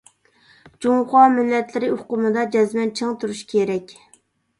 «جۇڭخۇا مىللەتلىرى» ئۇقۇمىدا جەزمەن چىڭ تۇرۇش كېرەك.